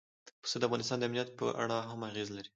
پسه د افغانستان د امنیت په اړه هم اغېز لري.